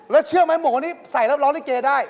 แล้วเชื่อไหมหมูอันนี้ใส่แล้วร้องลิเกได้